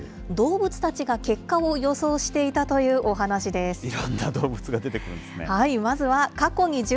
動物たちが結果を予想していたというお話です。